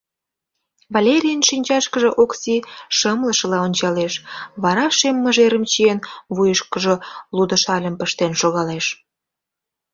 Валерийын шинчашкыже Окси шымлышыла ончалеш, вара шем мыжерым чиен, вуйышкыжо лудо шальым пыштен шогалеш.